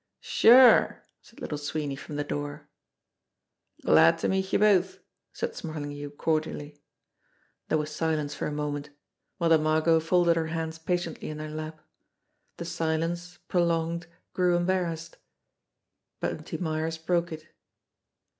"Sure," said Little Sweeney from the door. "Glad to meet you both," said Smarlinghue cordially. There was silence for a moment. Mother Margot folded her hands patiently in her lap. The silence, prolonged, grew embarrassed. Bunty Myers broke it.